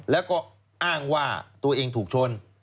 แล้วก็อ้างว่าตัวเองถูกชน